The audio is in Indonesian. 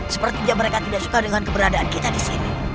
sepertinya mereka tidak suka dengan keberadaan kita di sini